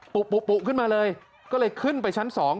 ปุ๊ขึ้นมาเลยก็เลยขึ้นไปชั้น๒